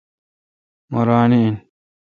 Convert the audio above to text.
مہ ران این۔